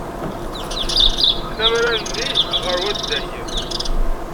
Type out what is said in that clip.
Qqen amrar-nni ɣer waddag.